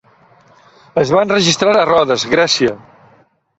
Es va enregistrar a Rodes, Grècia.